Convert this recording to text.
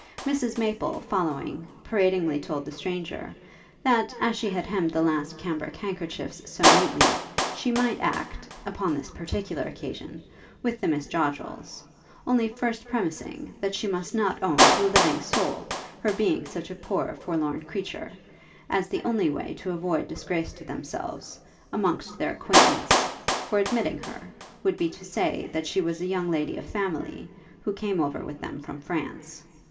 Mrs Maple, following, paradingly told the stranger, that, as she had hemmed the last cambric handkerchiefs so neatly, she might act, upon this particular occasion, with the Miss Joddrels; only first premising, that she must not own to a living soul her being such a poor forlorn creature; as the only way to avoid disgrace to themselves, amongst their acquaintance, for admitting her, would be to say that she was a young lady of family, who came over with them from France.